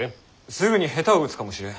すぐに下手を打つかもしれん。